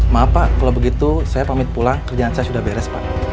maaf pak kalau begitu saya pamit pulang kerjaan saya sudah beres pak